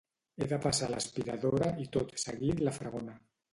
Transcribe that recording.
He de passar l´aspiradora i tot seguit la fregona.